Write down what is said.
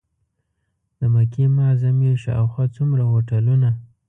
د مکې معظمې شاوخوا څومره هوټلونه.